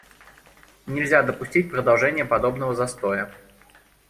Нельзя допустить продолжения подобного застоя.